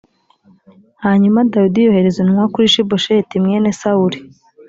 hanyuma dawidi yohereza intumwa kuri ishibosheti mwene sawuli